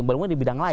mungkin di bidang lain